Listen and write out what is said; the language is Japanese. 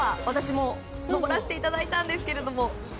私も登らせていただいたんですけど。